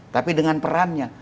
tapi dengan perannya